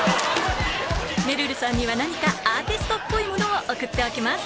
めるるさんには何かアーティストっぽいものを送っておきます